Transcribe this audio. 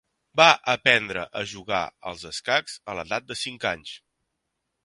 Va aprendre a jugar els escacs a l'edat de cinc anys.